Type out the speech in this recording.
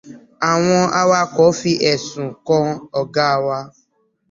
Àwọn awakọ̀ fí ẹ̀sùn kan awọn ọ̀gá wa.